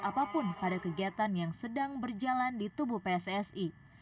apapun pada kegiatan yang sedang berjalan di tubuh pssi